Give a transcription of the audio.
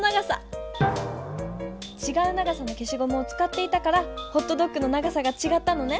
ちがう長さのけしごむをつかっていたからホットドッグの長さがちがったのね。